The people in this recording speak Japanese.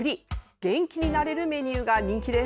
元気になれるメニューが人気です。